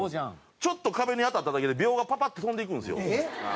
ちょっと壁に当たっただけで鋲がパパッて飛んでいくんですよ。